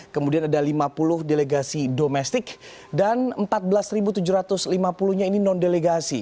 kemudian ada lima puluh delegasi domestik dan empat belas tujuh ratus lima puluh nya ini non delegasi